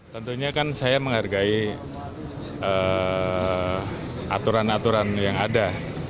tentunya kan saya menghargai aturan aturan yang ada